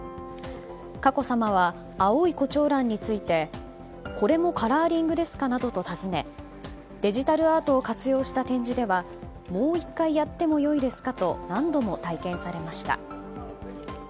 佳子さまは、青い胡蝶蘭についてこれもカラーリングですかなどと尋ねデジタルアートを活用した展示ではもう１回やってもよいですかと何度も体験されました。